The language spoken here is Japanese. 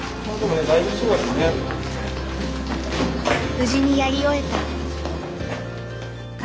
無事にやり終えた。